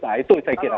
nah itu saya kira